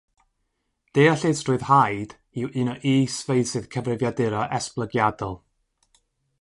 Deallusrwydd haid yw un o is-feysydd cyfrifiadura esblygiadol.